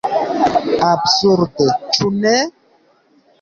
Absurde, ĉu ne?